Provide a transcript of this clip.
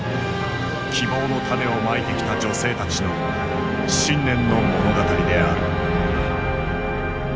希望の種をまいてきた女性たちの信念の物語である。